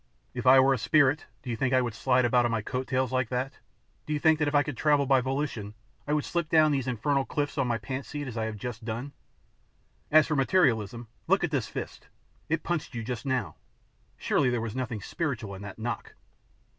If I were a spirit, do you think I would slide about on my coat tails like that? Do you think that if I could travel by volition I would slip down these infernal cliffs on my pants' seat as I have just done? And as for materialism look at this fist; it punched you just now! Surely there was nothing spiritual in that knock?''